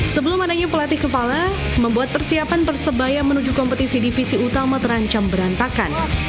sebelum adanya pelatih kepala membuat persiapan persebaya menuju kompetisi divisi utama terancam berantakan